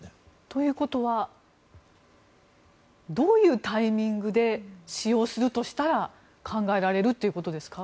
ということはどういうタイミングで使用するとしたら考えられるということですか？